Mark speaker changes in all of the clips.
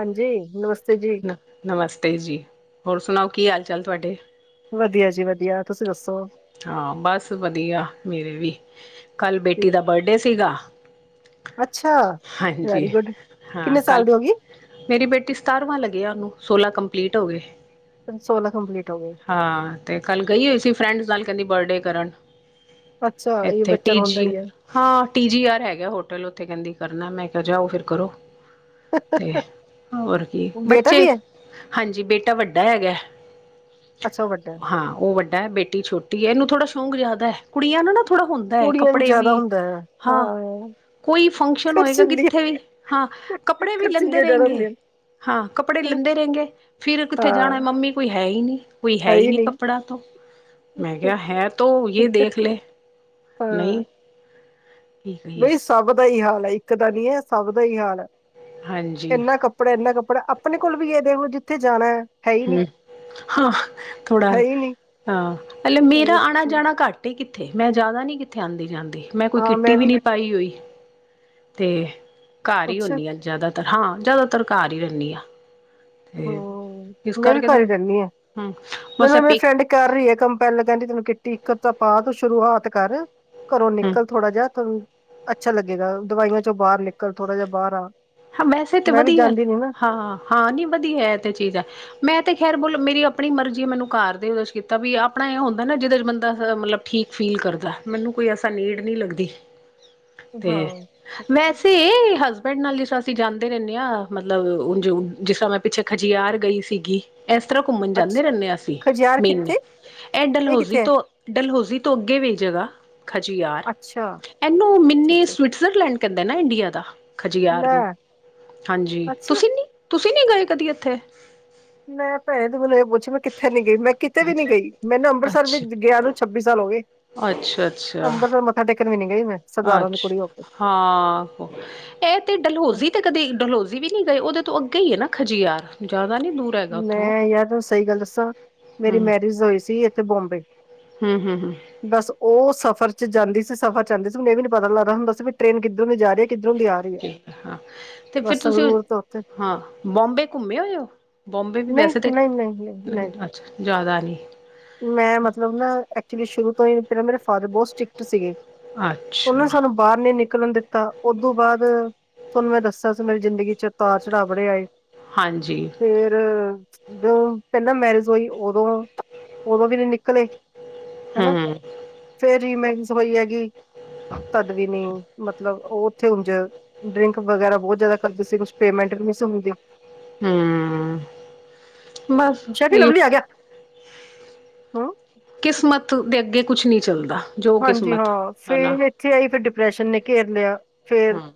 Speaker 1: ਹਾਂਜੀ ਨਮਸਤੇ ਜੀ।
Speaker 2: ਨ ਨਮਸਤੇ ਜੀ ਹੋਰ ਸੁਣਾਓ ਕੀ ਹਾਲ ਚਾਲ ਤੁਹਾਡੇ
Speaker 1: ਵਧੀਆ ਜੀ ਵਧੀਆ ਤੁਸੀਂ ਦੱਸੋ।
Speaker 2: ਹਾਂ ਬਸ ਵਧੀਆ ਮੇਰੇ ਵੀ ਕੱਲ
Speaker 1: ਠੀਕ।
Speaker 2: ਬੇਟੀ ਦਾ ਬਰਡੇ ਸੀਗਾ।
Speaker 1: ਅੱਛਾ
Speaker 2: ਹਾਂਜੀ
Speaker 1: ਵੈਰੀ ਗੁੱਡ
Speaker 2: ਹਾਂ
Speaker 1: ਕਿੰਨੇ
Speaker 2: ਕੱਲ
Speaker 1: ਸਾਲ ਦੀ ਹੋ ਗਈ।
Speaker 2: ਮੇਰੀ ਬੇਟੀ ਸਤਾਰਵਾਂ ਲੱਗਿਆ ਉਹਨੂੰ ਸੋਲਾਂ ਕੰਪਲੀਟ ਹੋ ਗਏ।
Speaker 1: ਹੁਣ ਸੋਲਾਂ ਕੰਪਲੀਟ ਹੋ ਗਏ।
Speaker 2: ਹਾਂ ਤੇ ਕੱਲ੍ਹ ਗਈ ਹੋ ਸੀ ਫਰੈਂਡਸ ਨਾਲ ਕੈਂਦੀ ਬਰਡੇ ਕਰਨ
Speaker 1: ਅੱਛਾ ਇਹ
Speaker 2: ਇੱਥੇ
Speaker 1: ਬੱਚਿਆਂ
Speaker 2: ਟੀ
Speaker 1: ਨੂੰ ਹੁੰਦਾ
Speaker 2: ਜੀ
Speaker 1: ਈ ਏ।
Speaker 2: ਹਾਂ ਟੀਜੀ ਆਰ ਹੈਗਾ ਹੋਟਲ ਉੱਥੇ ਕੈਂਦੀ ਕਰਨਾ ਮੈਂ ਕਿਆ ਜਾਓ ਫਿਰ ਕਰੋ। ਤੇ ਹੋਰ ਕੀ
Speaker 1: ਬੇਟਾ
Speaker 2: ਬੱਚੇ
Speaker 1: ਵੀ ਹੈ
Speaker 2: ਹਾਂਜੀ ਬੇਟਾ ਵੱਡਾ ਹੈਗਾ।
Speaker 1: ਅੱਛਾ ਓ ਵੱਡਾ
Speaker 2: ਹਾਂ ਓ ਵੱਡਾ ਹੈ ਬੇਟੀ ਛੋਟੀ ਹੈ ਇਹਨੂੰ ਥੋੜਾ ਸ਼ੌਕ ਜਾਦਾ ਹੈ ਕੁੜੀਆਂ ਨੂੰ ਨਾ ਥੋੜ੍ਹਾ ਹੁੰਦਾ ਹੈ
Speaker 1: ਕੁੜੀਆਂ ਨੂੰ
Speaker 2: ਕੱਪੜੇ
Speaker 1: ਜ਼ਿਆਦਾ
Speaker 2: ਵੀ
Speaker 1: ਹੁੰਦਾ ਹੈ
Speaker 2: ਹਾਂ। ਕੋਈ ਫੰਕਸ਼ਨ ਹੋਏਗਾ
Speaker 1: ਖਰਚੀਲੀ
Speaker 2: ਕਿੱਥੇ ਵੀ ਹਾਂ ਕੱਪੜੇ ਵੀ ਲੈਂਦੇ
Speaker 1: ਖਰਚੀਲੀਆਂ ਜ਼ਿਆਦਾ
Speaker 2: ਰੈਂਣਗੇ।
Speaker 1: ਹੁੰਦੀਆਂ
Speaker 2: ਹਾਂ ਕੱਪੜੇ
Speaker 1: ਨੇ।
Speaker 2: ਲੈਂਦੇ ਰੈਂਗੇ ਫਿਰ ਕਿੱਥੇ
Speaker 1: ਹਾਂ
Speaker 2: ਜਾਣਾ ਮੰਮੀ ਕੋਈ ਹੈ ਹੀ ਨਈ। ਕੋਈ ਹੈ ਹੀ ਨਈ ਕੱਪੜਾ ਤੋਂ ਮੈਂ ਕਿਆ ਹੈ ਤੋ ਯ ਦੇਖ ਲੈ
Speaker 1: ਹਾਂ
Speaker 2: ਨਹੀਂ ਕੀ ਕਹੀਏ
Speaker 1: ਬਈ ਸਬ ਦਾ ਏਈ ਹਾਲ ਐ ਇੱਕ ਦਾ ਨੀ ਐ ਸਭ ਦਾ ਏਈ ਹਾਲ ਐ
Speaker 2: ਹਾਂਜੀ
Speaker 1: ਕਿੰਨਾ ਕ ਕੱਪੜਾ ਐਨਾ ਕੱਪੜਾ ਆਪਨੇ ਕੋਲ ਵੀ ਏਹ ਦੇਖੋ ਜਿੱਥੇ ਜਾਨੈ
Speaker 2: ਹੂੰ ਹਾਂ ਥੋੜਾ
Speaker 1: ਹੈ ਹੀ ਨਹੀਂ
Speaker 2: ਹਾਂ ਹਲੇ
Speaker 1: ਮੈਂ
Speaker 2: ਮੇਰਾ
Speaker 1: ਕਿਹਾ
Speaker 2: ਆਨਾ
Speaker 1: ਠੀਕ।
Speaker 2: ਜਾਨਾ ਘੱਟ ਘੱਟ ਈ ਕਿੱਥੇ ਮੈਂ ਜਾਦਾ ਨੀ ਕਿੱਥੇ ਆਂਦੀ ਜਾਂਦੀ ਮੈਂ ਕੋਈ ਕਿੱਟੀ ਵੀ ਨੀ ਪਾਈ ਹੋਈ, ਤੇ ਘਰ ਈ
Speaker 1: ਅੱਛਾ
Speaker 2: ਹੁਨੀ ਆ ਜਾਦਾ ਹਾਂ ਜਾਦਾਤਰ ਘਰ ਈ ਹੁਨੀ ਆ।
Speaker 1: ਹੂੰ, ਮੈਂ ਵੀ
Speaker 2: ਕਰਕੇ ਤੇ
Speaker 1: ਘਰ ਈ ਰੈਨੀ ਆਂ,
Speaker 2: ਹਮ ਬਸ ਇਹ
Speaker 1: ਮੈਨੂੰ ਮੇਰੇ
Speaker 2: ਪੇਕ
Speaker 1: ਫਰੈਂਡ ਕਰ ਰਈ ਐ ਕੰਮਪੈਲ ਕੈਂਦੀ ਤੈਨੂੰ ਕਿੱਟੀ ਇੱਕ ਅੱਦਾ ਪਾ ਤੂੰ ਸ਼ੁਰੂਆਤ ਕਰ। ਘਰੋਂ
Speaker 2: ਹਮ
Speaker 1: ਨਿਕਲ ਥੋੜ੍ਹਾ ਜਾ ਤੈਨੂੰ ਅੱਛਾ ਲੱਗੇਗਾ ਦਵਾਈਆਂ ਚੋਂ ਬਾਰ ਨਿਕਲ ਥੋੜ੍ਹਾ ਜਾ ਬਾਰ ਆ।
Speaker 2: ਹਾਂ ਵੈਸੇ ਤੇ
Speaker 1: ਮੈਂ ਵੀ
Speaker 2: ਵਦੀਐ,
Speaker 1: ਜਾਂਦੀ ਨੀ ਨਾ।
Speaker 2: ਹਾਂ-ਹਾਂ ਨੀ ਵਦੀਐ ਏ ਤੇ ਚੀਜ਼ ਐ। ਮੈਂ ਤੇ ਖ਼ੈਰ ਬੋਲ ਮੇਰੀ ਆਪਨੀ ਮਰਜ਼ੀ ਐ ਮੈਨੂੰ ਘਰ ਦੇ ਓਦੇ ਚ ਕੀਤਾ ਵੀ ਆਪਨਾ ਏਹ ਹੁੰਦਾ ਨਾ ਜਿਦੇ ਚ ਬੰਦਾ ਮਤਲਬ ਠੀਕ ਫੀਲ ਕਰਦਾ ਮੈਨੂੰ ਕੋਈ ਐਸਾ ਨੀਡ ਨੀ ਲੱਗਦੀ। ਤੇ
Speaker 1: ਹਾਂ।
Speaker 2: ਵੈਸੇ ਹਸਬੈਂਡ ਨਾਲ ਈ ਸਸ ਅਸੀਂ ਜਾਂਦੇ ਰੈਨੇ ਆਂ ਮਤਲਬ ਜਿਸ ਤਰ੍ਹਾਂ ਮੈਂ ਪਿੱਛੇ ਖਜਿਆਰ ਗਈ ਸੀਗੀ। ਐਸ ਤਰ੍ਹਾਂ ਘੁੰਮਨ
Speaker 1: ਅੱਛਾ
Speaker 2: ਜਾਂਦੇ ਰੈਂਦੇ ਆਂ ਅਸੀਂ
Speaker 1: ਖਜਿਆਰ
Speaker 2: ਮੇਨਲੀ,
Speaker 1: ਕਿੱਥੇ
Speaker 2: ਐ
Speaker 1: ਇਹ
Speaker 2: ਡਲਹੌਜ਼ੀ
Speaker 1: ਕਿੱਥੇ ਹੈ
Speaker 2: ਤੋਂ ਡਲਹੌਜ਼ੀ ਤੋਂ ਅੱਗੇ ਵੀ ਜਗਾ ਖਜਿਆਰ,
Speaker 1: ਅੱਛਾ
Speaker 2: ਏਨੂੰ
Speaker 1: ਅੱਛਾ
Speaker 2: ਮਿੰਨੀ
Speaker 1: ਅੱਛਾ
Speaker 2: ਸਵਿਟ ਸਵੀਜ਼ਰਲੈਂਡ ਕੈਂਦੇ ਨਾ ਇੰਡੀਆ ਦਾ ਖਜਿਆਰ।
Speaker 1: ਲੈ
Speaker 2: ਹਾਂਜੀ,
Speaker 1: ਅੱਛਾ
Speaker 2: ਤੁਸੀਂ ਨੀ ਤੁਸੀਂ ਨੀ ਗਏ ਕਦੀ ਇੱਥੇ।
Speaker 1: ਮੈਂ ਭੈਨ ਤੂੰ ਮੈਨੂੰ ਏ ਪੁੱਛ ਮੈਂ ਕਿੱਥੇ ਨੀ ਗਈ ਮੈਂ ਕਿਤੇ ਵੀ ਨੀ
Speaker 2: ਅੱਛਾ
Speaker 1: ਗਈ ਮੈਨੂੰ ਅੰਬਰਸਰ ਵਿੱਚ ਗੇਆਂ ਨੂੰ ਛੱਬੀ ਸਾਲ ਹੋ ਗੇ।
Speaker 2: ਅੱਛਾ-ਅੱਛਾ।
Speaker 1: ਮੱਥਾ ਟੇਕਨ ਵੀ ਨੀ ਗਈ ਮੈਂ। ਸਰਦਾਰਾਂ ਦੀ
Speaker 2: ਅੱਛਾ,
Speaker 1: ਕੁੜੀ ਹੋ ਕੇ
Speaker 2: ਹਾਂ। ਐ ਤੇ ਡਲਹੌਜ਼ੀ ਤੇ ਕਦੇ ਡਲਹੌਜ਼ੀ ਵੀ ਨੀ ਗਏ ਓਦੇ ਤੋਂ ਅੱਗੇ ਈ ਐ ਨਾ ਖਜੀਆਰ, ਜ਼ਾਦਾ ਨੀ ਦੂਰ ਹੈਗਾ ਉੱਥੋਂ
Speaker 1: ਮੈਂ ਯਾਰ ਸਹੀ ਗੱਲ ਦੱਸਾਂ, ਮੇਰੀ ਮੈਰਿਜ ਹੋਈ ਸੀ ਏਥੇ ਬੋਂਬੇ।
Speaker 2: ਹੂੰ-ਹੂੰ-ਹੂੰ।
Speaker 1: ਬਸ ਓਹ ਸਫ਼ਰ ਚ ਜਾਂਦੀ ਸੀ ਸਫ਼ਰ ਚ ਜਾਂਦੀ ਸੀ ਮੈਨੂੰ ਏਹ ਵੀ ਨੀ ਪਤਾ ਲੱਗਦਾ ਹੁੰਦਾ ਸੀ ਵੀ ਟ੍ਰੇਨ ਕਿੱਦਰ ਨੂੰ ਜਾ ਰਈ ਐ। ਕਿੱਦਰੋਂ ਦੀ ਆ ਰਈ ਐ,
Speaker 2: ਠੀਕ ਹੈ ਹਾਂ ਤੇ ਫਿਰ
Speaker 1: ਬਸ
Speaker 2: ਤੁਸੀਂ
Speaker 1: ਸੰਗਰੂਰ ਤੋਂ ਓਥੇ
Speaker 2: ਹਾਂ ਬੋਂਬੇ ਘੁੰਮੇ ਹੋਏ ਓਂ, ਬੋਂਬੇ ਵੀ
Speaker 1: ਨਹੀਂ
Speaker 2: ਵੈਸੇ ਤੇ
Speaker 1: ਨਹੀਂ ਨਹੀਂ ਨਹੀਂ ਨਹੀਂ
Speaker 2: ਅੱਛਾ ਜ਼ਾਦਾ ਨੀ
Speaker 1: ਮੈਂ ਮਤਲਬ ਨਾ ਐਕਚੁਲੀ ਸ਼ੁਰੂ ਤੋਂ ਈ ਪੈਲਾਂ ਮੇਰੇ ਫਾਦਰ ਬਹੁ ਸਟਰਿਕਟ ਸੀਗੇ।
Speaker 2: ਅੱਛ
Speaker 1: ਓਨੇ ਸਾਨੂੰ ਬਾਰ ਨੀ ਨਿਕਲਣ ਦਿੱਤਾ ਓਦੂੰ ਬਾਦ ਤਾਨੂੰ ਮੈਂ ਦੱਸੇਆ ਸੀ ਮੇਰੀ ਜ਼ਿੰਦਗੀ ਚ ਤਾਰ ਚੜਾ ਬੜੇ ਆਏ,
Speaker 2: ਹਾਂਜੀ
Speaker 1: ਫੇਰ ਜਦੋਂ ਪੈਲਾਂ ਮੈਰਿਜ ਹੋਈ ਓਦੋਂ ਓਦੋਂ ਵੀ ਨੀ ਨਿਕਲੇ ਹਨਾ,
Speaker 2: ਹਮ
Speaker 1: ਫੇਰ ਰੀ ਮੈਰਿਜ ਹੋਈ ਹੈਗੀ। ਤਦ ਵੀ ਨੀ, ਮਤਲਬ ਓਹ ਓਥੇ ਉਂਝ ਡਰਿੰਕ ਵਗੈਰਾ ਬਹੁ ਜ਼ਾਦਾ ਕਰਦੇ ਸੀ ਕੁਛ ਪੇਮੈਂਟ ਵੀ ਨਈ ਸੀ ਹੁੰਦੀ।
Speaker 2: ਹੂੰ, ਬੱਸ
Speaker 1: ਸ਼ੈਡੀ
Speaker 2: ਏਹ
Speaker 1: ਲਵਲੀ ਆ ਗਿਆ ਹੂੰ
Speaker 2: ਕਿਸਮਤ ਦੇ ਅੱਗੇ ਕੁਛ ਨੀ ਚੱਲਦਾ। ਜੋ
Speaker 1: ਹਾਂਜੀ
Speaker 2: ਕਿਸਮਤ
Speaker 1: ਹਾਂ,
Speaker 2: ਹਨਾ
Speaker 1: ਫੇਰ ਏਥੇ ਆਈ ਫੇਰ ਡਿਪਰੈਸ਼ਨ ਨੇ ਘੇਰ ਲਿਆ, ਫੇਰ
Speaker 2: ਹਾਂ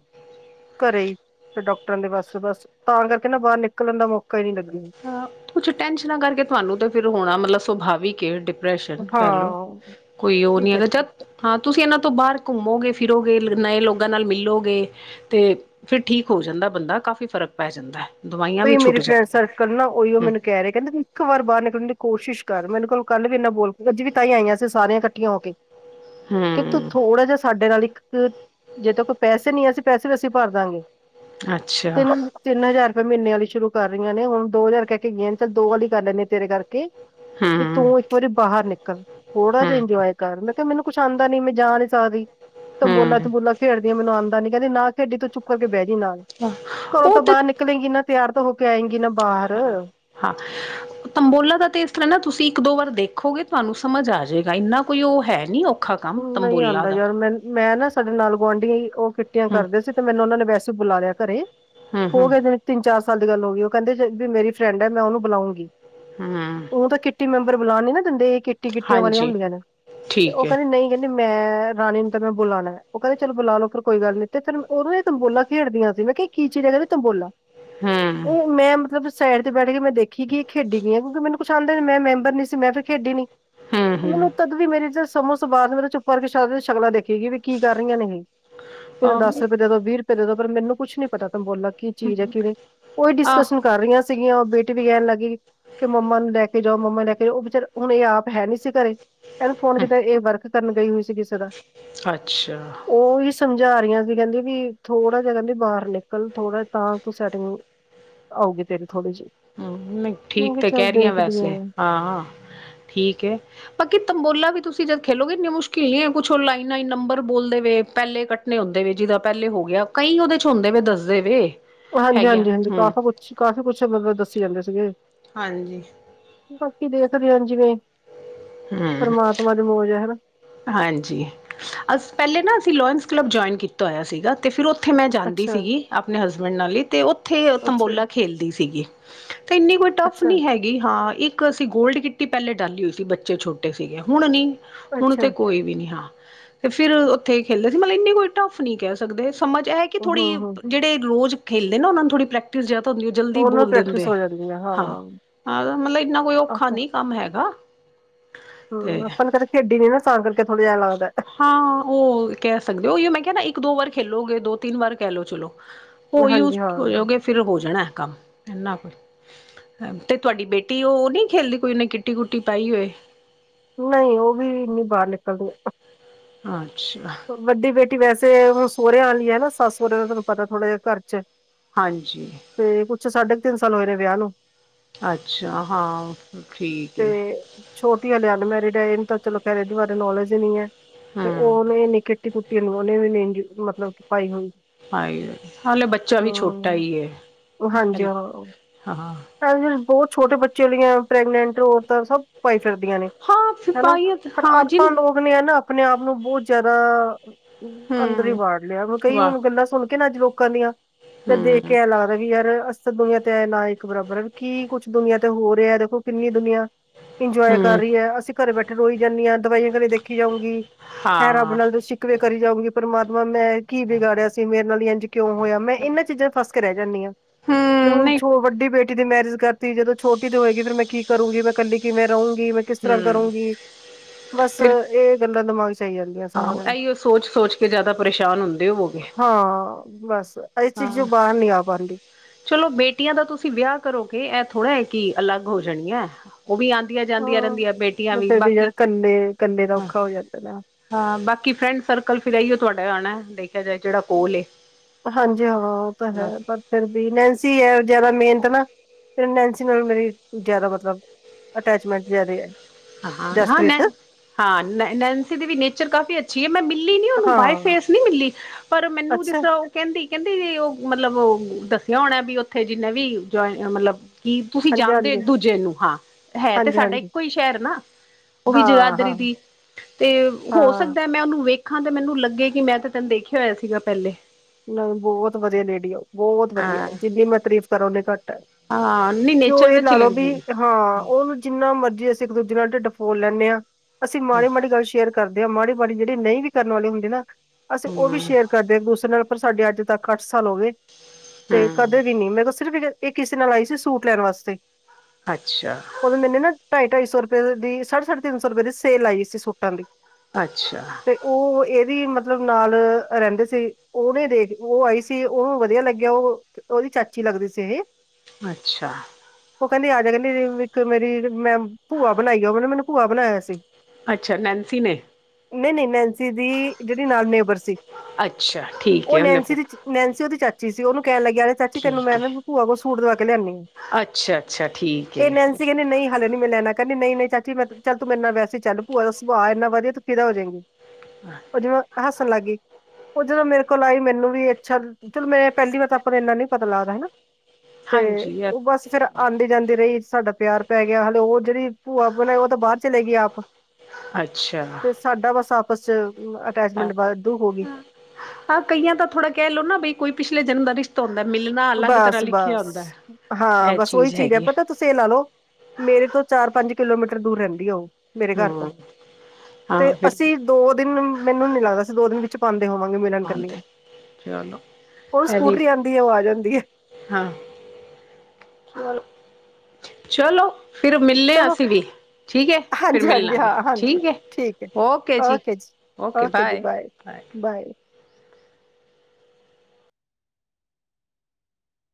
Speaker 1: ਘਰੇ ਈ ਤੇ ਡਾਕਟਰਾਂ ਦੇ ਬਸ, ਬਸ ਤਾਂ ਕਰਕੇ ਨਾ ਬਾਰ ਨਿਕਲਨ ਦਾ ਮੌਕਾ ਈ ਨੀ ਲੱਗਿਆ।
Speaker 2: ਹਾਂ ਕੁਛ ਟੈਂਸ਼ਨਾਂ ਕਰਕੇ ਤੁਹਾਨੂੰ ਤੇ ਫਿਰ ਹੋਣਾ ਮਤਲਬ ਸੁਭਾਵਿਕ ਏ ਡਿ ਡਿਪਰੈਸ਼ਨ ਕਹਿ ਲੋ,
Speaker 1: ਹਾਂ
Speaker 2: ਕੋਈ ਓਹ
Speaker 1: ਕੀ
Speaker 2: ਨੀ ਹੈਗਾ ਆ
Speaker 1: ਕਰੀਏ
Speaker 2: ਚ ਹਾਂ ਤੁਸੀਂ ਏਨਾਂ ਤੋਂ ਬਾਰ ਘੁੰਮੋਗੇ ਫਿਰੋਗੇ ਨਏ ਲੋਗਾ ਨਾਲ ਮਿਲੋਗੇ। ਤੇ ਫਿਰ ਠੀਕ ਹੋ ਜਾਂਦਾ ਬੰਦਾ, ਕਾਫ਼ੀ ਫ਼ਰਕ ਪੈ ਜਾਂਦਾ ਐ ਦਵਾਈਆਂ ਵੀ ਛੁੱਟ ਜਾਂਦੀਆਂ ਨੇ।
Speaker 1: ਕਰਨਾ ਉਹੀਓ ਮੈਨੂੰ ਕਹਿ ਰਿਹਾ ਕਹਿੰਦੇ, ਇੱਕ ਵਾਰ ਬਾਹਰ ਨਿਕਣ ਦੀ, ਕੋ ਕੋਸ਼ਿਸ਼ ਕਰ ਮੈਨੂੰ ਕੋਲ ਕੱਲ ਵੀ ਇੰਨਾ ਬੋਲ ਕੇ, ਅੱਜ ਵੀ ਤਾਂਈ ਆਈਆਂ ਸੀ, ਸਾਰੀਆਂ ਇਕੱਠੀਆਂ ਹੋ ਕੇ। ਕਿ ਤੂੰ
Speaker 2: ਹੂੰ
Speaker 1: ਥੋੜ੍ਹਾ ਜਾ ਸਾਡੇ ਨਾਲ ਇੱਕ ਜੇ ਤੇ ਕੋ ਪੈਸੇ ਨੀ ਐ, ਅਸੀਂ ਪੈਸੇ ਵੀ ਅਸੀਂ ਭਰ ਦਾਂਗੇ,
Speaker 2: ਅੱਛਾ
Speaker 1: ਤਿੰਨ- ਤਿੰਨ ਹਜ਼ਾਰ ਫਿਰ ਮਹੀਨੇਂ ਵਾਲੀ ਸ਼ੁਰੂ ਕਰ ਰਹੀਆਂ ਨੇ, ਹੁਣ ਦੋ ਹਜ਼ਾਰ ਕਹਿ ਕੇ ਗਈਆਂ ਨੇ ਚੱਲ ਦੋ ਵਾਲੀ ਕਰ ਲੈਂਦੇ ਤੇਰੇ ਕਰਕੇ। ਕਿ
Speaker 2: ਹਮ
Speaker 1: ਤੂੰ ਇੱਕ ਵਾਰੀ ਬਾਹਰ ਨਿਕਲ, ਥੋੜਾ ਜਿਹਾ
Speaker 2: ਹੂੰ
Speaker 1: ਇੰਜੋਏ ਕਰ, ਮੈਂ ਕਿਹਾ ਮੈਨੂੰ ਕੁਛ ਆਂਦਾ ਨੀ ਮੈਂ ਜਾ ਨੀ ਸਕਦੀ। ਤੰਬੋਲਾ
Speaker 2: ਹੂੰ
Speaker 1: ਤੰਬੋਲਾ ਖੇਡਦੀਆਂ, ਮੈਨੂੰ ਆਂਦਾ ਨੀ, ਕਹਿੰਦੀ ਨਾ ਖੇਡੀ ਤੋਂ ਚੁੱ ਚੁਪ ਕਰਕੇ ਬਹਿ ਜੀ ਨਾਲ, ਘਰੋਂ
Speaker 2: ਉਹ
Speaker 1: ਤਾਂ
Speaker 2: ਤੇ
Speaker 1: ਬਾਹਰ ਨਿਕਲੇਗੀ ਨਾ ਤਿਆਰ ਤਾਂ ਹੋ ਕੇ ਆਏਗੀ ਨਾ ਬਾਹਰ।
Speaker 2: ਹਾਂ। ਤੰਬੋਲਾ ਦਾ ਤੇ ਇਸ ਤਰ੍ਹਾਂ ਨਾ, ਤੁਸੀਂ ਇੱਕ ਦੋ ਵਾਰ ਦੇਖੋਂਗੇ, ਤੁਹਾਨੂੰ ਸਮਝ ਆ ਜਾਏਗਾ ਇੰਨਾ ਕੋਈ ਉਹ ਐ ਨੀ ਔ
Speaker 1: ਉਹ ਨਈ ਆਦਾ ਯਾਰ, ਮੈਂ ਮੈਂ ਨਾ ਸਾਡੇ ਨਾਲ ਗੁਆਂਢੀਆਂ ਈ ਉਹ ਕਿੱਟੀਆਂ
Speaker 2: ਹੂੰ
Speaker 1: ਕਰਦੇ ਸੀ, ਤੇ ਮੈਨੂੰ ਉਹਨਾਂ ਨੇ ਵੈਸੇ ਈ ਬੁਲਾ ਲਿਆ ਘਰੇ,
Speaker 2: ਹੂੰ ਹੂੰ
Speaker 1: ਹੋਗੇ ਦਿਨ ਤਿੰਨ-ਚਾਰ ਸਾਲ ਦੀ ਗੱਲ ਹੋ ਗਈ, ਓ ਕੇਂਦੇ ਵੀ ਮੇਰੀ ਫਰੈਂਡ ਐ ਮੈਂ ਉਹਨੂੰ ਬੁਲਾਊਂਗੀ।
Speaker 2: ਹੂੰ।
Speaker 1: ਉਹ ਤਾਂ ਕਿੱਟੀ ਮੈਂਬਰ ਬੁਲਾਉਣ ਨੀ ਨਾ ਦਿੰਦੇਂ, ਕਿ
Speaker 2: ਹਾਂਜੀ, ਠੀਕ ਐ।
Speaker 1: ਨਈ ਕਹਿੰਦੀ ਮੈਂ ਰਾਣੀ ਨੂੰ ਤਾਂ ਮੈਂ ਬੁਲਾਉਣਾ, ਉਹ ਕਹਿੰਦੇ ਚਲੋਂ ਬੁਲਾ ਲੋ ਫਿਰ ਕੋਈ ਗੱਲ ਨੀ, ਤੇ ਫਿਰ ਉਹਦੋਂ ਤੰਬੋਲਾ ਖੇਡਦੀਆਂ ਸੀ, ਮੈਂ ਕਿਹਾ ਕੀ ਚੀਜ ਐ ਕਹਿਦੇ ਤੰਬੋਲਾ
Speaker 2: ਹਮ
Speaker 1: ਉਹ ਮੈਂ ਮਤਲਬ ਸਾਈਡ ਤੇ ਬੈਠ ਕੇ, ਮੈਂ ਦੇਖੀ ਗੀ ਖੇਡੀ ਗਈ, ਕਿਉਂਕ ਮੈਨੂੰ ਕੁਛ ਆਂਦਾ ਮੈਂ ਮੈਬਰ ਨੀ ਸੀ, ਮੈ ਫਿਰ ਖੇਡੀ ਨੀ।
Speaker 2: ਹਮ ਹਮ
Speaker 1: ਮੈਨੂੰ ਤਦ ਵੀ ਮੇਰੇ ਜਿਸ ਸਮਝ ਤੋਂ ਬਾਰ ਮੇਰੇ ਚੁੱਪ ਕਰਕੇ ਸ਼ਕਲਾ ਦੇਖੀ ਗੀ ਵੀ ਕੀ ਕਰ ਰਹੀਆਂ ਨੇ ਇਹੇ, ਮੈਨੂੰ ਦਸ
Speaker 2: ਅ
Speaker 1: ਰੁਪਏ ਜਦੋਂ ਵੀਹ ਰੁ ਪਏ ਦੇਦੋ, ਪਰ ਮੈਨੂੰ ਕੁਛ ਨੀ ਪਤਾ ਤਬੋਲਾ ਕੀ ਚੀਜ਼ ਐ ਕੀ ਨੀ, ਉਹੀ
Speaker 2: ਆ
Speaker 1: ਡਿਸਕਸ਼ਨ ਕਰ ਰਹੀਆਂ ਸੀਗੀਆਂ, ਉਹ ਬੇਟੀ ਵੀ ਕਹਿਣ ਲਗਈ ਕੀ ਕਿ ਮੰਮਾ ਨੂੰ ਲੈ ਕੇ ਜਾਓ ਮੰਮਾ ਨੂੰ ਲੈ ਕੇ ਜਾਓ, ਔ ਵਿਚਾਰਾ ਹੁਣ ਇਹ ਆਪ ਹੈ ਨੀ ਸੀ ਘਰੇ, ਇਹਨੂੰ ਫੋਨ ਤਾ, ਇਹ ਵਰਕ ਕਰਨ ਗਈ ਹੋਈ ਸੀ ਕਿਸੇ ਦਾ।
Speaker 2: ਅੱਛਾ।
Speaker 1: ਉਹੀ ਸਮਝਾ ਰਹੀਆਂ ਸੀ, ਕਹਿੰਦੀ ਵੀ ਥੋੜਾ ਜਹਾ ਕਹਿੰਦੀ ਬਾਹਰ ਨਿਕਲ, ਥੋੜਾ ਤਾਂ ਤੂੰ ਸੈਟਿੰਗ ਆਉਗੀ, ਤੇਰੇ ਥੋੜੇ ਜੀ।
Speaker 2: ਮੈ ਠੀਕ ਤੇ ਕਹਿ ਰੀ ਆ, ਵੈਸੇ ਹਾਂ ਠੀਕ ਐ। ਬਾਕੀ ਤੰਬੋਲਾ ਵੀ ਤੁਸੀਂ ਜਦ ਖੇਲੋਗੇ ਇੰਨੀਆਂ ਮੁਸ਼ਕਿਲ ਨੀ ਐ, ਕੁੱਛ ਲਾਈਨਾਂ ਨੰਬਰ ਬੋਲਦੇ ਵੇ ਪਹਿਲੇ ਕੱ ਟਣੇ ਹੁੰਦੇ ਵੇ, ਜਿਹਦਾ ਪਹਿਲੇ ਹੋ ਗਿਆ, ਕਈ ਉਹਦੇ ਚ ਹੁੰਦੇ ਵੇ ਦੱਸਦੇ ਵੇ। ਹੈਗਾ
Speaker 1: ਹਾਂਜੀ-ਹਾਂਜੀ-ਹਾਂਜੀ,
Speaker 2: ਹਮ
Speaker 1: ਕਾਸਾ ਕੁਛ ਕਾਸਾ ਕੁਛ ਮਤਲਬ ਦੱੱਸੀ ਜਾਂਦੇ ਸੀਗੇ।
Speaker 2: ਹਾਂਜੀ।
Speaker 1: ਬਾਕੀ ਦੇਖਦੇ ਆ ਜਿਵੇਂ,
Speaker 2: ਹਮ
Speaker 1: ਪਰਮਾਤਮਾ ਦੀ ਮੌਜ ਐ ਹੈਨਾ।
Speaker 2: ਹਾਂਜੀ, ਅਸੀਂ ਪਹਿਲੇ ਨਾ ਅਸੀਂ ਲੋਇੰਸ ਕਲੱਬ ਜੁਆਇਨ ਕੀਤਾ ਹੋਇਆ ਸੀਗਾ। ਤੇ ਫਿਰ ਉੱਥੇ ਮੈਂ ਜਾਂਦੀ
Speaker 1: ਅੱਛਾ
Speaker 2: ਸੀਗੀ ਆਪਣੇ ਹਸਬੈਂਡ ਨਾਲ ਈ ਤੇ ਉੱਥੇ
Speaker 1: ਅੱਛਾ
Speaker 2: ਤੰਬੋਲਾ ਖੇਲਦੀ ਸੀਗੀ। ਤੇ ਇੰਨੀ ਕੋਈ ਟਫ
Speaker 1: ਅੱਛਾ
Speaker 2: ਨੀ ਹੈਗੀ। ਹਾਂ ਇੱਕ ਅਸੀਂ ਗੋਲਡ ਕਿੱਟੀ ਪਹਿਲੇ ਡਾਲੀ ਹੋਈ ਸੀ ਬੱਚੇ ਛੋਟੇ ਸੀਗੇ ਹੁਣ ਨੀ। ਹੁਣ ਤੇ
Speaker 1: ਅੱਛਾ
Speaker 2: ਕੋਈ ਵੀ ਨੀ ਹਾਂ, ਤੇ ਫਿਰ ਉੱਥੇ ਖੇਲਦੇ ਸੀ ਮਤਲਬ ਇੰਨੀ ਕੋਈ ਟੱਫ ਨੀ ਕਹਿ ਸਕਦੇ ਸਮਝ ਇਹ ਥੋੜੀ
Speaker 1: ਹੂੰ ਹੂੰ
Speaker 2: ਜਿਹੜੇ ਰੋਜ਼ ਖੇਲਦੇ ਨਾ ਉਹ ਨੂੰ ਥੋੜੀ ਪ੍ਰੈਕਟੀਸ ਜਿਆ ਤਾਂ ਹੁੰਦੀ ਉਹ ਜਲਦੀ
Speaker 1: ਉਹਨਾਂ
Speaker 2: ਬੋਲ ਦਿੰਦੇ
Speaker 1: ਪ੍ਰੈਕਟਿਸ
Speaker 2: ਆ,
Speaker 1: ਹੋ ਜਾਂਦੀ ਹਾਂ
Speaker 2: ਹਾਂ ਮਤਲਬ ਇੰਨਾ ਕੋਈ ਔਖਾ
Speaker 1: ਆਪਾਂ-
Speaker 2: ਨੀ ਕੰਮ ਹੈਗਾ। ਤੇ
Speaker 1: ਹੂੰ ਆਪਾਂ ਨੂੰ ਕਦੀ ਖੇਡੀ ਨੀ ਨਾ ਤਾਂ ਕਰ ਥੋੜਾ ਜਿਹਾ ਲੱਗਦਾ।
Speaker 2: ਹਾਂ ਉਹ ਕਹਿ ਸਕਦੇ ਔ ਮੈਂ ਕਿਹਾ ਨਾ ਇੱਕ ਦੋ ਵਾਰ ਖੇਲੋਗੇ ਦੋ ਤਿੰਨ ਵਾਰ ਕਹਿ ਲੋ ਚਲੋ ਹੋਈ
Speaker 1: ਹਾਂਜੀ
Speaker 2: ਉਸ
Speaker 1: ਹਾਂ
Speaker 2: ਹੋ ਜੋਗੇ ਫਿਰ ਹੋ ਜਾਣਾ ਕੰਮ ਇਨਾ ਕੋਈ ਤੇ ਤੁਆਡੀ ਬੇਟੀ ਓ ਨੀ ਖੇਲਦੀ ਕੋਈ ਉਹਨੇ ਕਿੱਟੀ ਕੁੱਟੀ ਪਾਈ ਹੋਵੇ?
Speaker 1: ਨਈ ਓਵੀ ਨੀ ਬਾਰ ਨਿਕਲਦੀ।
Speaker 2: ਅੱਛਾ।
Speaker 1: ਵੱਡੀ ਬੇਟੀ ਵੈਸੇ ਹੁਣ ਸੋਹੇਆਂ ਆਲ ਈ ਏ ਨਾ ਸੱਸ ਸੋਰੇ ਦਾ ਤਾਨੂੰ ਪਤਾ ਥੋੜਾ ਜੇਹਾ ਘਰ ਚ
Speaker 2: ਹਾਂਜੀ।
Speaker 1: ਤੇ ਕੁੱਛ ਸਾਢੇ ਕੁ ਤਿੰਨ ਸਾਲ ਹੋਏ ਨੇ ਵਿਆਹ ਨੂੰ।
Speaker 2: ਅੱਛਾ ਹਾਂ। ਠੀਕ।
Speaker 1: ਤੇ
Speaker 2: ਹੈ
Speaker 1: ਛੋਟੀ ਹਲੇ ਅਨਮੈਰਿਡ ਏ ਏਨੂੰ ਤਾਂ ਚਲੋ ਏਦੇ ਬਾਰੇ ਨੋਲੇਜ ਹੀ ਨੀ ਐ। ਤੇ
Speaker 2: ਹੂੰ
Speaker 1: ਓਨੇ ਨੀ ਕਿਟੀ ਕੁੱਟੀ ਓਨੇ ਵੀ ਨੀ ਮਤਲਬ ਕਿ ਪਾਈ ਹੋਣੀ।
Speaker 2: ਹਏ ਹਾਲੇ ਬੱਚਾ ਵੀ ਛੋਟਾ ਈ ਏ, ਹਾਂ।
Speaker 1: ਹਾਜੀ ਬੋਤ ਛੋਟੇ ਬੱਚੇ ਆਲੀਆਂ ਪ੍ਰੈਗਨੈਂਟ ਔਰਤ ਸਭ ਪਈ ਫਿਰਦੀਆਂ ਨੇ
Speaker 2: ਹਾਂ ਫਿਰ
Speaker 1: ਹੈਨਾ
Speaker 2: ਪਾਈ ਹੈ,
Speaker 1: ਪਰ
Speaker 2: ਹਾਂ ਜੀ
Speaker 1: ਆਪਾਂ ਲੋਕ ਓਨੇ ਨਾ ਆਪਣੇ ਆਪ ਨੂੰ ਬੋਤ ਜਿਆਦਾ ਅੰਦਰ ਈ
Speaker 2: ਹੂੰ
Speaker 1: ਵੜ ਲਿਆ। ਕਈ
Speaker 2: ਵਾਹ
Speaker 1: ਹੁਣ ਗੱਲਾਂ ਸੁਣ ਕੇ ਨਾ ਅੱਜ ਲੋਕਾਂ ਦੀਆਂ ਤੇ ਦੇਖ ਕੇ
Speaker 2: ਹੂੰ
Speaker 1: ਕਿਆ ਲੱਗਦਾ ਵੀ ਯਾਰ ਅਸਰ ਦੁਨੀਆਂ ਤੇ ਹੈ ਨਾ ਏਕ ਬਰਾਬਰ ਕੀ ਕੁਛ ਦੁਨੀਆਂ ਤੇ ਹੋ ਰਿਹਾ ਦੇਖੋ ਕਿੰਨੀ ਦੁਨੀਆਂ ਇੰਜੋਏ ਕਰ
Speaker 2: ਹੂੰ
Speaker 1: ਰਹੀ ਏ। ਅਸੀਂ ਘਰੇ ਬੈਠੇ ਰੋਈ ਜਾਂਦੀ ਹਾਂ ਦਵਾਈਆਂ ਕਰੇ ਦੇਖੀ ਜਾਊਂਗੀ। ਹੈ ਰੱਬ
Speaker 2: ਹਾਂ
Speaker 1: ਨਾਲ ਰੂਸੀ ਵੇ ਕਰੀ ਜਾਊਗੀ ਪਰਮਾਤਮਾ ਮੈਂ ਕੀ ਵਿਗਾੜਿਆ ਸੀ ਮੇਰੇ ਨਾਲ ਏਝ ਕਿਉਂ ਹੋਯਾ, ਮੈਂ ਇਹਨਾਂ ਚੀਜ਼ਾਂ ਚ ਫਸ ਕੇ ਰੇਹ ਜਾਣੀ ਆ।
Speaker 2: ਹੂੰ
Speaker 1: ਮੈਂ ਹੁਣ
Speaker 2: ਨਹੀਂ
Speaker 1: ਛੋ ਵੱਡੀ ਬੇਟੀ ਦੀ ਮੈਰਿਜ ਕਰਤੀ, ਜਦੋਂ ਛੋਟੀ ਤੇ ਹੋਏਗੀ ਫੇਰ ਮੈਂ ਕੀ ਕਰੂੰਗੀ ਮੈਂ ਕੱਲੀ ਕਿਵੇ ਰਹੂੰਗੀ, ਮੈਂ ਕਿਸ ਤਰ੍ਹਾਂ
Speaker 2: ਹੂੰ
Speaker 1: ਕਰੂੰਗੀ ਬਸ
Speaker 2: ਫਿਰ
Speaker 1: ਇਹ ਗੱਲਾਂ ਦਿਮਾਗ ਚ ਆਈ ਜਾਂਦੀ। ਸਾਰਾ
Speaker 2: ਆਹੋ
Speaker 1: ਦਿਨ,
Speaker 2: ਇਹੀਓ ਸੋਚ-ਸੋਚ ਕੇ ਜ਼ਿਆਦਾ ਪਰੇਸ਼ਾਨ ਹੁੰਦੇ ਹੋਵੋਗੇ
Speaker 1: ਹਾਂ ਬਸ। ਏਹੀ ਚੀਜ ਚੋ
Speaker 2: ਹਾਂ।
Speaker 1: ਬਾਰ ਨੀ ਆ ਪਾਂਦੀ।
Speaker 2: ਚਲੋ ਬੇਟੀਆਂ ਦਾ ਤੁਸੀਂ ਵਿਆਹ ਕਰੋਗੇ ਏਹ ਥੋੜ੍ਹਾ ਐ ਕਿ ਅਲੱਗ ਹੋ ਜਾਣੀਆਂ। ਉਹ ਵੀ ਆਂਦੀਆਂ-ਜਾਂਦੀਆਂ
Speaker 1: ਹਾਂ
Speaker 2: ਰਹਿੰਦੀਆਂ ਬੇਟੀਆਂ
Speaker 1: ਨਹੀਂ
Speaker 2: ਵੀ
Speaker 1: ਫਿਰ
Speaker 2: ਬਾਕੀ
Speaker 1: ਯਾਰ ਕੱਲੇ ਕੱਲੇ ਦਾ ਔਖਾ ਹੋ ਜਾਂਦਾ ਨਾ।
Speaker 2: ਹਾਂ ਬਾਕੀ ਫਰੈਂਡ ਸਰਕਲ ਫਿਰ ਏ ਈ ਓ ਤੁਆਡਾ ਆਣਾ ਦੇਖਿਆ ਜਾਏ ਜੇੜਾ ਕੋਲ ਏ।
Speaker 1: ਹਾਂਜੀ ਹਾਂ ਉਹ ਤਾਂ ਹੈ
Speaker 2: ਹਨਾ।
Speaker 1: ਪਰ ਫਿਰ ਵੀ ਨੈਨਸੀ ਐ ਜਾਦਾ ਮਿਹਨਤ ਨਾ ਫਿਰ ਨੈਨਸੀ ਨਾਲ ਮੇਰੀ ਜਿਆਦਾ ਮਤਲਬ ਅਟੈਚਮੈਂਟ ਜੇਆ ਰੇਆ।
Speaker 2: ਹਾਂ ਨਾ ਹਾਂ ਨੈਨਸੀ ਦੀ ਵੀ ਨੇਚਰ ਕਾਫ਼ੀ ਅੱਛੀ ਏ, ਮੈਂ ਮਿਲੀ ਨੀ ਓਨੂੰ
Speaker 1: ਹਾਂ
Speaker 2: ਬਏਫੇਸ ਨੀ ਮਿਲੀ ਪਰ ਮੈਨੂੰ ਜਿਸ
Speaker 1: ਅੱਛਾ
Speaker 2: ਤਰ੍ਹਾਂ ਓ ਕੇਂਦੀ-ਕੇਂਦੀ ਓ ਮਤਲਬ ਓ ਦੱਸਿਆ ਹੋਣਾ ਵੀ ਉੱਥੇ ਜਿੰਨੇ ਵੀ ਜ ਮਤਲਬ ਕਿ ਤੁਸੀਂ
Speaker 1: ਹਾਂਜੀ
Speaker 2: ਜਾਂਦੇ
Speaker 1: ਹਾਂਜੀ
Speaker 2: ਹੋ ਇੱਕ ਦੂਜੇ ਨੂੰ ਹਾਂ ਹੈ ਤੇ
Speaker 1: ਹਾਂਜੀ
Speaker 2: ਸਾਡਾ
Speaker 1: ਹਾਂਜੀ
Speaker 2: ਇੱਕੋ ਹੀ ਸ਼ਹਿਰ ਓਵੀ
Speaker 1: ਹਾਂ
Speaker 2: ਜਗਾਦਰੀ
Speaker 1: ਹਾਂ
Speaker 2: ਦੀ ਤੇ ਹੋ
Speaker 1: ਹਾਂ
Speaker 2: ਸਕਦਾ ਮੈਂ ਓਨੂੰ ਵੇਖਾਂ ਤੇ ਮੈਨੂੰ ਲੱਗੇ ਕਿ ਮੈਂ ਤੇ ਤੈਨੂੰ ਦੇਖਿਆ ਹੋਯਾ ਸੀਗਾ ਪੈਲੇ।
Speaker 1: ਬੋਤ ਵਧੀਆ ਲੇਡੀ ਓ ਬੋਤ ਵਧੀਆ
Speaker 2: ਹਾਂ
Speaker 1: ਜਿੰਨੀ ਮੈਂ ਤਾਰੀਫ਼ ਕਰਾਂ ਓਨੀ ਕਟ
Speaker 2: ਹਾਂ ਨੀ ਨੇਚਰ ਤੇ ਅਛੀ ਲੱਗਦੀ ਏ।
Speaker 1: ਹਾਂ ਓ ਜਿੰਨਾ ਮਰਜ਼ੀ ਅਸੀਂ ਏਕ ਦੂਜੇ ਨਾਲ ਢਿੱਡ ਫੋਲ ਲੈਂਦੇ ਆ। ਅਸੀਂ
Speaker 2: ਹੈ
Speaker 1: ਮਾੜੀ-ਮਾੜੀ ਗੱਲ ਸ਼ੇਅਰ ਕਰਦੇ ਆ, ਮਾੜੀ-ਮਾੜੀ ਜਿਹੜੀ ਨਈ ਵੀ ਕਰਨ ਵਾਲੇ ਹੁੰਦੇ ਨਾ। ਅਸੀਂ ਉਹ ਵੀ
Speaker 2: ਹਮ
Speaker 1: ਸ਼ੇਅਰ ਕਰਦੇ ਏਕ ਦੂਸਰੇ ਨਾਲ ਪਰ ਸਾਡੇ ਅੱਜ ਤੱਕ ਅੱਠ ਸਾਲ ਹੋ ਗਏ ਤੇ
Speaker 2: ਹਮ
Speaker 1: ਕਦੇ ਵੀ ਨੀ ਮੈਂ ਕੋ ਸਿਰਫ ਇਹ ਕਿਸੇ ਨਾਲ ਆਈ ਸੀ ਸੂਟ ਲੈਣ ਵਾਸਤੇ
Speaker 2: ਅੱਛਾ।
Speaker 1: ਓਦੋਂ ਮੈਨੂੰ ਨਾ ਢਾਈ-ਢਾਈ ਸੌ ਰੁਪਏ ਦੀ ਸਾਢੇ-ਸਾਢੇ ਤਿੰਨ ਸੌ ਰੁਪਏ ਦੀ ਸੇਲ ਆਈ ਸੀ ਸੂਟਾਂ ਦੀ
Speaker 2: ਅੱਛਾ!
Speaker 1: ਤੇ ਉਹ ਇਹਦੀ ਮਤਲਬ ਨਾਲ ਰਹਿੰਦੇ ਸੀ। ਉਹਨੇ ਦੇਖ, ਉਹ ਆਈ ਸੀ, ਉਹ ਨੂੰ ਵਧੀਆ ਲੱਗਿਆ ਉਹ ਉਹਦੀ ਚਾਚੀ ਲੱਗਦੀ ਸੀ ਇਹ।
Speaker 2: ਅੱਛਾ!
Speaker 1: ਉਹ ਕਹਿੰਦੀ ਆ ਜਾ ਕਹਿੰਦੀ ਇੱਕ ਮੇਰੀ ਮੈਂ ਭੂਆ ਬਣਾਈ ਆ ਉਹਨੇ ਮੈਨੂੰ ਭੂਆ ਬਣਾਇਆ ਸੀ।
Speaker 2: ਅੱਛਾ ਨੈਨਸੀ ਨੇ।
Speaker 1: ਨਹੀਂ ਨਹੀਂ ਨੈਨਸੀ ਦੀ ਜਿਹੜੀ ਨਾਲ ਨੇਬਰ ਸੀ।
Speaker 2: ਅੱਛਾ। ਅੱਛਾ ਠੀਕ,
Speaker 1: ਉਹ
Speaker 2: ਹੈ ਉਹਨੇ
Speaker 1: ਨੈੰਸੀ ਦੀ ਨੈਸੀ ਉਹਦੀ ਚਾਚੀ ਸੀ ਉਹਨੂੰ ਕਹਿਣ ਲੱਗੀ ਆ ਜਾ ਚਾਚੀ ਤੈਨੂੰ
Speaker 2: ਠੀਕ
Speaker 1: ਮੈਂ ਨਾ।
Speaker 2: ਹੈ
Speaker 1: ਭੂਆ ਕੋਲ ਸੂਟ ਦਵਾ ਕੇ ਲਿਆਦੀ ਆ,
Speaker 2: ਅੱਛਾ ਅੱਛਾ ਠੀਕ
Speaker 1: ਇਹ
Speaker 2: ਹੈ
Speaker 1: ਨੈਨਸੀ ਕਹਿੰਦੇ ਨਹੀਂ। ਹਾਲ ਨੀ ਮੈਂ ਲੈਣਾ ਕਹਿੰਦੀ ਨਹੀਂ ਨਹੀਂ ਚਾਚੀ ਚੱਲ ਤੂੰ ਮੇਰੇ ਨਾਲ ਵੈੇਸੇ ਈ ਚੱਲ ਭੂਆ ਦਾ ਸੁਭਾਅ ਇੰਨਾ ਵਧੀਆ ਤੂੰ ਫਿਦਾ ਹੋ ਜਾਏਗੀ।
Speaker 2: ਹਾਂ।
Speaker 1: ਉਹ ਜਿਵੇਂ ਹੱਸਣ ਲੱ ਗਈ। ਉਹ ਜਦੋਂ ਮੇਰੇ ਕੋਲ ਆਈ ਮੈਨੂੰ ਵੀ ਅੱਛਾ ਚਲੋ ਮੈਂ ਪਹਿਲੀ ਵਾਰ ਤਾਂ ਆਪਾਂ ਨੂੰ ਇੰਨਾ ਨੀ ਪਤਾ ਲੱਗਦਾ ਹਨਾ। ਤੇ
Speaker 2: ਹਾਂਜੀ
Speaker 1: ਉਹ ਬਸ ਫਿਰ ਆਉਂਦੀ ਜਾਂਦੀ ਰਹੀ ਸਾਡਾ ਪਿਆਰ ਪੈ ਗਿਆ ਹਾਲੇ ਉਹ ਜਿਹੜੀ ਭੂਆ ਬਣਾ ਉਹ ਤਾਂ ਬਾਹਰ ਚਲੇ ਗਈ ਆਪ।
Speaker 2: ਅੱਛਾ,
Speaker 1: ਤੇ ਸਾਡਾ ਬਸ ਆਪਸ ਚ ਅਟੈਚਮੈਂਟ ਵਧੂ ਹੋ ਗਈ,
Speaker 2: ਆਹ ਕਈਆਂ ਤਾਂ ਥੋੜਾ ਕਹਿ ਲਓ ਨਾ ਬਈ ਕੋਈ ਪਿਛਲੇ ਜਨਮ ਦਾ ਰਿਸ਼ਤਾ ਹੁੰਦਾ ਮਿਲਣਾ ਅਲੱਗ ਤਰ੍ਹਾਂ
Speaker 1: ਬਸ
Speaker 2: ਲਿਖਿਆ
Speaker 1: ਬਸ
Speaker 2: ਹੁੰਦਾ, ਇਹ ਚੀਜ਼ ਹੈਗੀ ਹੈ।
Speaker 1: ਤੁਸੀ ਲਾ ਲਓ ਮੇਰੇ ਤੋਂ ਚਾਰ ਪੰਜ ਕਿਲੋਮੀਟਰ ਦੂਰ ਰਹਿੰਦੀ ਉਹ। ਮੇਰੇ ਘਰ ਤੋਂ
Speaker 2: ਹਾਂ
Speaker 1: ਤੇ
Speaker 2: ਹਾਂ ਫਿਰ
Speaker 1: ਅਸੀਂ ਦੋ ਦਿਨ ਮੈਨੂੰ ਨੀ ਲੱਗਦਾ ਅਸੀ ਦੋ ਦਿਨ ਵਿੱਚ। ਪਾਉਂਦੇ ਹੋਵਾਂਗੇ ਮਿਲਣ ਕੰਨੀਓ
Speaker 2: ਆਉਂਦਾ ਚਲੋ
Speaker 1: ਉਹ
Speaker 2: ਇਹ ਵੀ
Speaker 1: ਸਕੂਟਰੀ ਆਉਂਦੀ ਹੈ ਉਹ ਆ ਜਾਂਦੀ। ਹੈ
Speaker 2: ਹਾਂ ਚੋ ਚਲੋ, ਫਿਰ ਮਿਲਲੇ ਹਾਂ
Speaker 1: ਚਲੋ
Speaker 2: ਅਸੀਂ ਵੀ ਠੀਕ ਹੈ ਫਿਰ
Speaker 1: ਹਾਂਜੀ ਹਾਂਜੀ
Speaker 2: ਮਿਲਲਾਗੇ
Speaker 1: ਹਾਂ ਹਾਂਜੀ
Speaker 2: ਠੀਕ ਹੈ।
Speaker 1: ਠੀਕ ਹੈ
Speaker 2: ਓਕੇ ਜੀ ਓਕੇ ਬਾਏ ਬਾਏ।